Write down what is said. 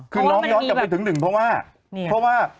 คือน้องย้อนกลับไปถึง๑เพราะว่า